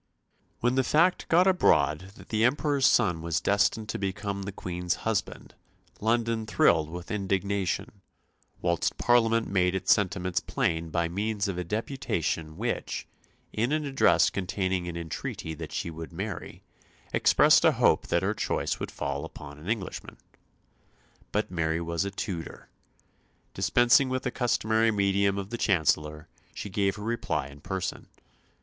When the fact got abroad that the Emperor's son was destined to become the Queen's husband, London thrilled with indignation; whilst Parliament made its sentiments plain by means of a deputation which, in an address containing an entreaty that she would marry, expressed a hope that her choice would fall upon an Englishman. But Mary was a Tudor. Dispensing with the customary medium of the Chancellor, she gave her reply in person.